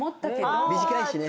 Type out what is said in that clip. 短いしね。